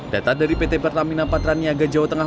data dari pt pertamina patraniaga jawa tengah